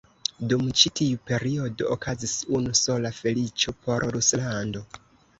Dum ĉi tiu periodo okazis unu sola feliĉo por Ruslando.